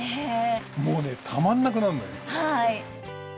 もうねたまんなくなるのよ。